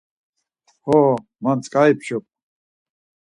Ho, ma tzǩari pşum.